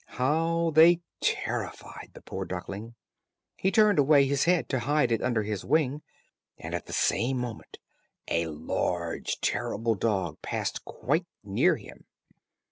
How they terrified the poor duckling! He turned away his head to hide it under his wing, and at the same moment a large terrible dog passed quite near him.